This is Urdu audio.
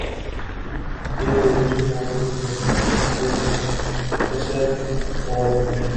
یہ ضروری معلوم ہوتا ہے کہ مختصر طور پر